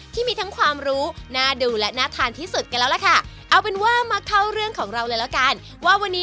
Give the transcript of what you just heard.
ทุกวันเป็นอย่างนี้